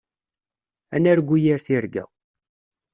Ad nargu yir tirga.